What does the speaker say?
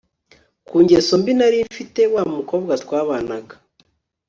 ku ngeso mbi nari mfite wa mukobwa twabanaga